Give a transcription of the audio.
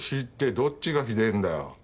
どっちがひでえんだよ。